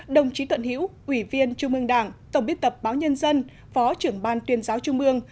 đồng chí thuận hiễu ủy viên trung ương đảng tổng biên tập báo nhân dân phó trưởng ban tuyên giáo trung ương